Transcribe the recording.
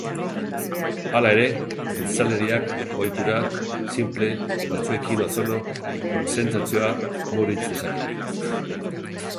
Hala ere, biztanleriak ohitura sinple batzuekin ozono kontzentrazioa murritz dezake.